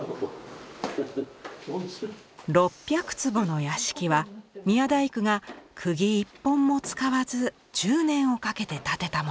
６００坪の屋敷は宮大工が釘１本も使わず１０年をかけて建てたもの。